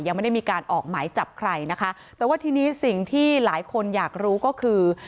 ยังไม่ได้มีการออกหมายจับใครนะคะแต่ว่าทีนี้สิ่งที่หลายคนอยากรู้ก็คือ